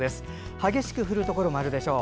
激しく降るところもあるでしょう。